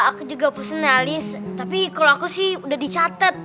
aku juga personalis tapi kalau aku sih udah dicatat